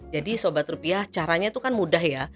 jadi sobat rupiah caranya itu kan mudah ya